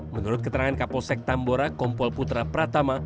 menurut keterangan kapolsek tambora kompol putra pratama